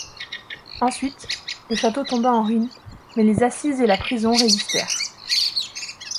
Ensuite, le château tomba en ruines, mais les Assizes et la prison résistèrent.